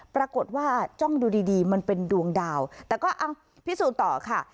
ปรากฏว่าจ้องดูดีดีมันเป็นดวงดาวแต่ก็เอาพิสูจน์ต่อค่ะ